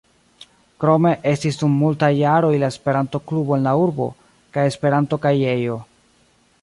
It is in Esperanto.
Krome estis dum multaj jaroj la Esperanto-klubo en la urbo, kaj Esperanto-kajejo.